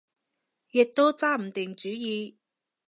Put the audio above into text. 亦都揸唔定主意